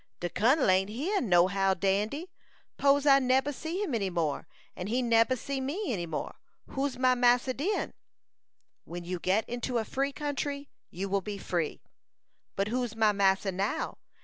"De Kun'l ain't here, no how, Dandy; 'pose I neber see him any more, and he neber see me any more, who's my massa den?" "When you get into a free country, you will be free." "But who's my massa now?